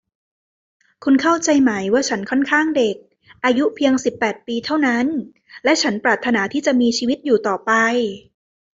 คุณเข้าใจไหมว่าฉันค่อนข้างเด็ก อายุเพียงสิบแปดปีเท่านั้น และฉันปรารถนาที่จะมีชีวิตอยู่ต่อไป